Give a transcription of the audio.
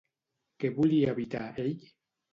Què volia evitar ell?